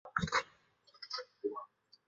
洪家人向法官请求依法定罪。